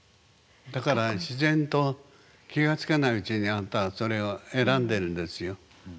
だから自然と気がつかないうちにあなたはそれを選んでるんですよ。